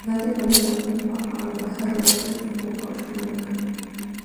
ازادي راډیو د اقلیم په اړه د هر اړخیز پوښښ ژمنه کړې.